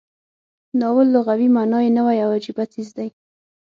ناول لغوي معنا یې نوی او عجیبه څیز دی.